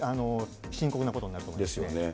深刻なことになると思います。ですよね。